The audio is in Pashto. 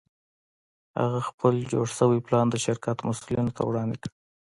هغه خپل جوړ شوی پلان د شرکت مسوولینو ته وړاندې کړ